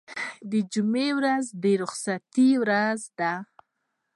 د جمعې ورځ د رخصتۍ ورځ ده.